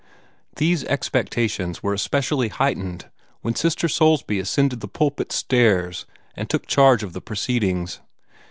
These expectations were especially heightened when Sister Soulsby ascended the pulpit stairs and took charge of the proceedings.